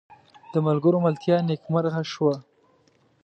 د ملګرو ملتیا نیکمرغه شوه.